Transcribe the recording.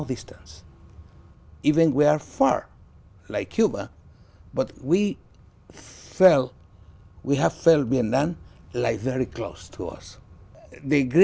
xin chào tôi là trung